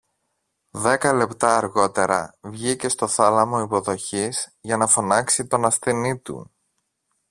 Δέκα λεπτά αργότερα βγήκε στο θάλαμο υποδοχής για να φωνάξει τον ασθενή του